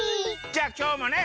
じゃあきょうもね